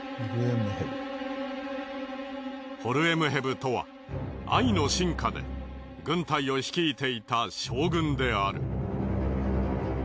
ホルエムヘブとはアイの臣下で軍隊を率いていた将軍である。